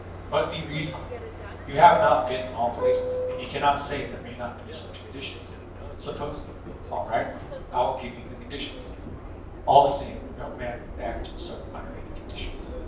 i .''Bnt be reasonable: you have not been in all places, and you cannot say there may not be such condi* tions ; supposing —" "All right : I will give you the condi tions ; all the same, no man would act so under any con ditions."